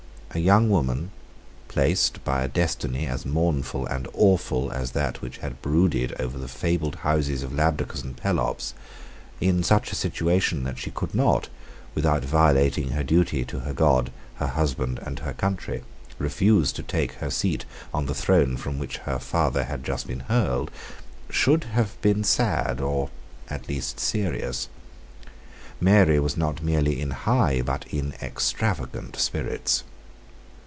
A young woman, placed, by a destiny as mournful and awful as that which brooded over the fabled houses of Labdacus and Pelops, in such a situation that she could not, without violating her duty to her God, her husband, and her country, refuse to take her seat on the throne from which her father had just been hurled, should have been sad, or at least serious. Mary was not merely in high, but in extravagant, spirits.